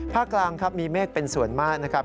กลางครับมีเมฆเป็นส่วนมากนะครับ